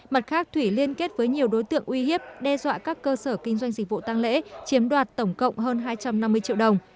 mặt khác thủy liên kết với nhiều đối tượng uy hiếp đe dọa các cơ sở kinh doanh dịch vụ tăng lễ chiếm đoạt tổng cộng hơn hai trăm năm mươi triệu đồng